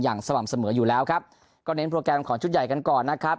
สม่ำเสมออยู่แล้วครับก็เน้นโปรแกรมของชุดใหญ่กันก่อนนะครับ